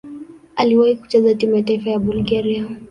Aliwahi kucheza timu ya taifa ya Bulgaria.